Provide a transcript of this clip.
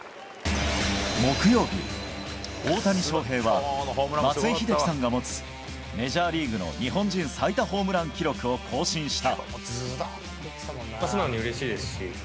木曜日、大谷翔平は松井秀喜さんが持つメジャーリーグの日本人最多ホームラン記録を更新した。